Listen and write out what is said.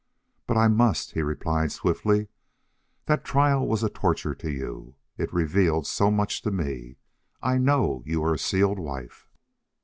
"But I must," he replied, swiftly. "That trial was a torture to you. It revealed so much to me.... I know you are a sealed wife.